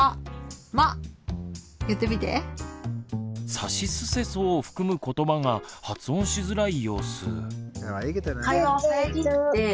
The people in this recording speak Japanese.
「さしすせそ」を含むことばが発音しづらい様子。